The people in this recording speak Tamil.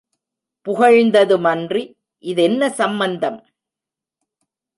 புகழ்ந்தது மன்றி, இதென்ன சம்பந்தம்?